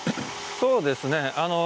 そうですね。